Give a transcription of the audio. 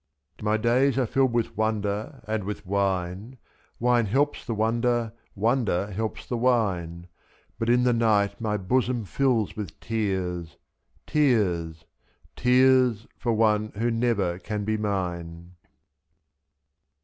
My days are filled with wonder and with wine, (Wine helps the wonder, wonder helps the wine,) /S^.But in the night my bosom fills with tears — Tears, tears, for one who never can be mine.